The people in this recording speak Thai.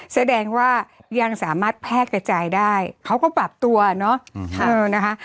แสดงว่ายังสามารถแพร่กระจายได้เขาก็ปรับตัวเนาะนะคะ